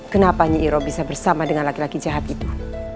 kenapa nyairoh bisa bersama dengan laki laki jahat itu